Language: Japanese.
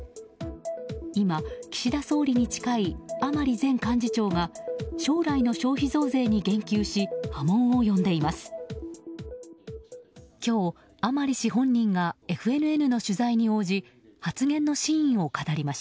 今、岸田総理に近い甘利前幹事長が将来の消費増税に言及し波紋を呼んでいます。